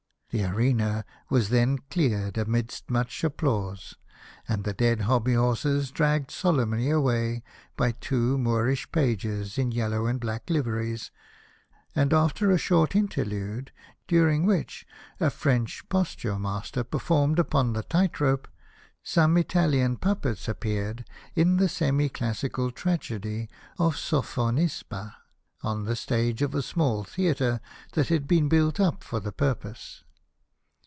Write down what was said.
The arena was then cleared amidst much applause, and the dead hobby horses dragged solemnly away by two Moorish pages in yellow and black liveries, and after a short interlude, during which a French posture master performed upon the tight rope, some Italian puppets appeared in the semi classical tragedy of Sophonisba on the stage of a small theatre that had been built up for the purpose.